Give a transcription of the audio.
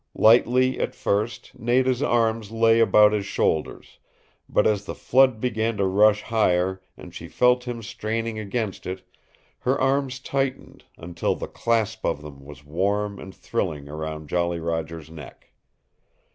Lightly at first Nada's arms lay about his shoulders, but as the flood began to rush higher and she felt him straining against it, her arms tightened, until the clasp of them was warm and thrilling round Jolly Roger's neck.